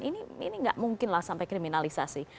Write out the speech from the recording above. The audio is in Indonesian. ini nggak mungkin lah sampai kriminalisasi